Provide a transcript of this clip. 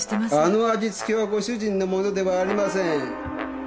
あの味付けはご主人のものではありません。